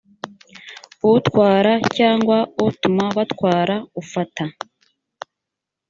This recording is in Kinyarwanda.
utwara cyangwa utuma batwara ufata